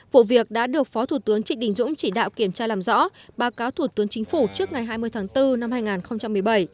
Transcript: vụ việc đã được phó thủ tướng trịnh đình dũng chỉ đạo kiểm tra làm rõ báo cáo thủ tướng chính phủ trước ngày hai mươi tháng bốn năm hai nghìn một mươi bảy